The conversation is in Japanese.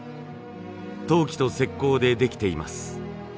陶器と石こうでできています。